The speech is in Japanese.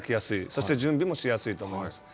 そして準備もしやすいと思います。